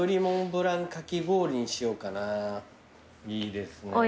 いいですね。